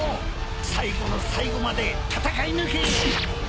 最後の最後まで戦い抜け！